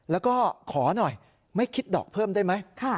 แล้วก็ขอหน่อยไม่คิดดอกเพิ่มได้ไหม